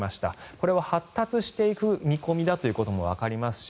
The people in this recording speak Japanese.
これは発達していく見込みだということもわかりますし